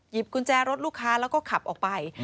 กุญแจรถลูกค้าแล้วก็ขับออกไป